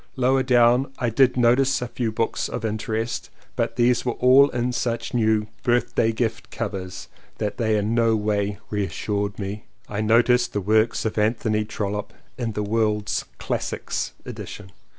Lower down I did notice a few books of interest but these were all in such new "birthday gift" covers that they in no way reassured me. I noticed the works of Anthony Trollope in the World's Classics edition.